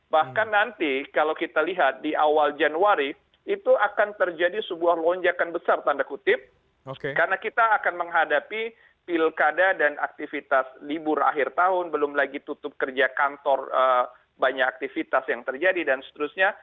bahkan nanti kalau kita lihat di awal januari itu akan terjadi sebuah lonjakan besar tanda kutip karena kita akan menghadapi pilkada dan aktivitas libur akhir tahun belum lagi tutup kerja kantor banyak aktivitas yang terjadi dan seterusnya